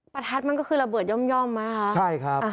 ประทัดมันก็คือระเบิดย่อมมานะคะใช่ครับ